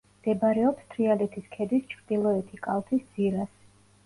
მდებარეობს თრიალეთის ქედის ჩრდილოეთი კალთის ძირას.